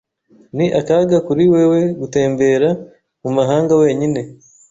Ni akaga kuri wewe gutembera mu mahanga wenyine.